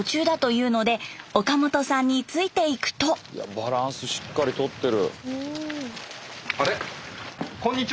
バランスしっかりとってる。